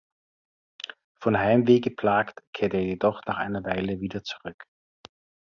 Von Heimweh geplagt, kehrt er jedoch nach einer Weile wieder zurück.